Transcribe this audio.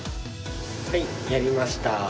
はいやりましたー。